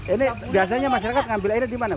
ini biasanya masyarakat ngambil air di mana